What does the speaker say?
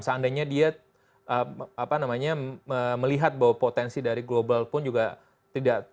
seandainya dia melihat bahwa potensi dari global pun juga tidak